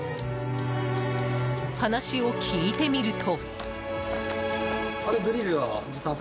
話を聞いてみると。